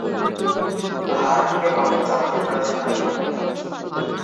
হার্টকের কখনো চাবুকের প্রয়োজন হয়নি।